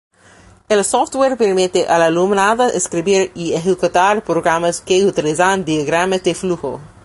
El software permite al alumnado escribir y ejecutar programas que utilizan diagramas de flujo.